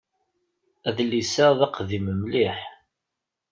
Adlis-a d aqdim mliḥ.